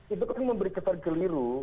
itu kan memberi ketar keliru